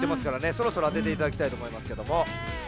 そろそろあてていただきたいとおもいますけども。